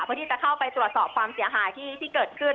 เพื่อที่จะเข้าไปตรวจสอบความเสียหายที่เกิดขึ้น